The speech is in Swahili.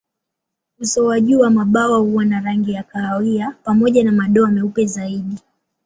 Uso wa juu wa mabawa huwa na rangi kahawia pamoja na madoa meupe zaidi.